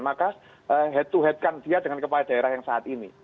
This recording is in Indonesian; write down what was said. maka head to head kan dia dengan kepala daerah yang saat ini